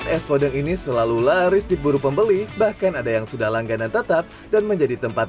es podeng ini selalu laris diburu pembeli bahkan ada yang sudah langganan tetap dan menjadi tempat